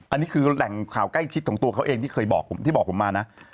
อันนี้คือแหล่งข่าวใกล้ชิดของตัวเขาเองที่เคยบอกที่บอกผมมานะ